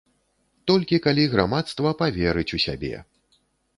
Толькі калі грамадства паверыць у сябе.